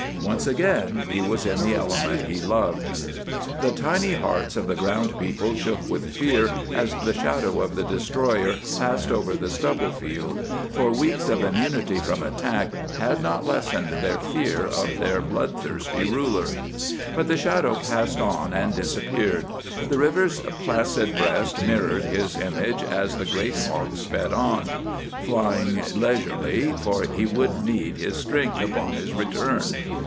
Once again he was in the element he loved. The tiny hearts of the ground people shook with fear as the shadow of the destroyer passed over the stubble field, for weeks of immunity from attack had not lessened their fear of their bloodthirsty ruler. But the shadow passed on and disappeared; the river's placid breast mirrored his image as the great hawk sped on, flying leisurely, for he would need his strength upon his return.